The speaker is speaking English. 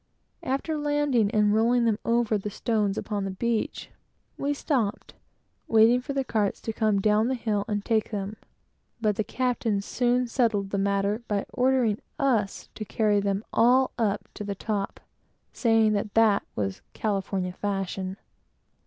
After landing and rolling them over the stones upon the beach, we stopped, waiting for the carts to come down the hill and take them; but the captain soon settled the matter by ordering us to carry them all up to the top, saying that, that was "California fashion."